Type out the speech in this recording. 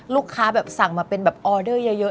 ลูกค้าสั่งมาเป็นออเดอร์เยอะ